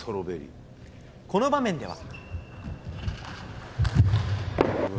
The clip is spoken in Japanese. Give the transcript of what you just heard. この場面では。